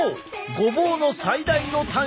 ごぼうの最大の短所。